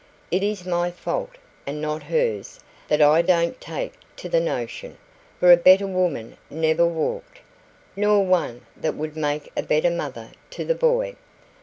It is my fault, and not hers, that I don't take to the notion; for a better woman never walked, nor one that would make a better mother to the boy.